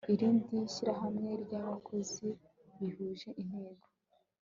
irindi shyirahamwe ry'abakozi bihuje intego